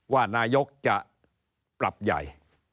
ว่านายกจะปรับใหญ่